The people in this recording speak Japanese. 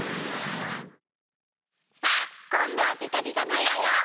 さあこんどは「ピカピカブ！」だよ。